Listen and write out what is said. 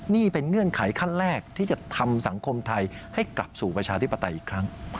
นี่เป็นเงื่อนไขขั้นแรกที่จะทำสังคมไทยให้กลับสู่ประชาธิปไตยอีกครั้ง